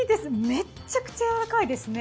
めちゃくちゃやわらかいですね。